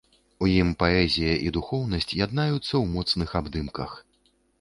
У ім паэзія і духоўнасць яднаюцца ў моцных абдымках.